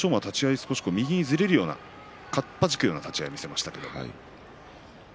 少し右にずれるようなかっぱじくような立ち合いでしたね。